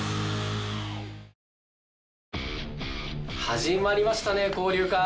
始まりましたね交流会。